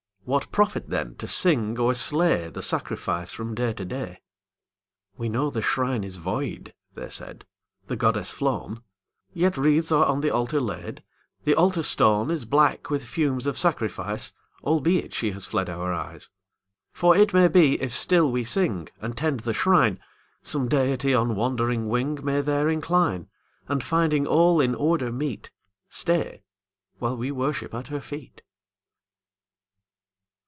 What profit, then, to sing or slay The sacrifice from day to day? "We know the Shrine is void," they said, "The Goddess flown Yet wreaths are on the Altar laid The Altar Stone Is black with fumes of sacrifice, Albeit She has fled our eyes. "For it may be, if still we sing And tend the Shrine, Some Deity on wandering wing May there incline; And, finding all in order meet, Stay while we worship at Her feet."